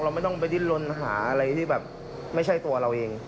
ไม่ต้องไปดิ้นลนหาอะไรที่แบบไม่ใช่ตัวเราเอง